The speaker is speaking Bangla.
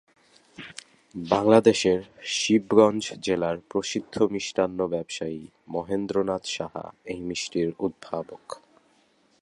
বাংলাদেশের "শিবগঞ্জ" জেলার প্রসিদ্ধ মিষ্টান্ন ব্যবসায়ী মহেন্দ্রনাথ সাহা এই মিষ্টির উদ্ভাবক।